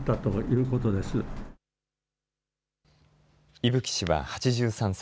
伊吹氏は８３歳。